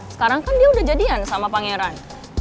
sekarang kan dia udah jadian sama pangeran